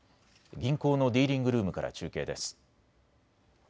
銀行のディーリングルームから中継です。